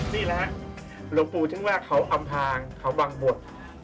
นี่แหละฮะหลวงปู่ซึ่งว่าเขาอำพางเขาบางบท